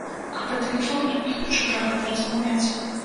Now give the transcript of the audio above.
Я па тэлефоне не хачу пра гэта размаўляць.